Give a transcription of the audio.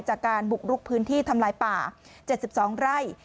จากการบุกลุกพื้นที่ทำลายป่า๗๒ไร่